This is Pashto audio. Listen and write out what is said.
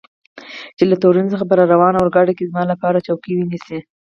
چې له تورین څخه په راروانه اورګاډي کې زما لپاره چوکۍ ونیسي.